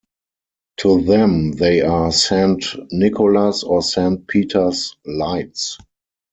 To them, they are "Saint Nicholas" or "Saint Peter's lights".